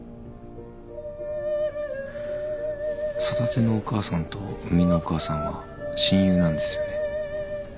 育てのお母さんと生みのお母さんは親友なんですよね？